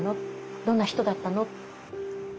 どんな人だったの？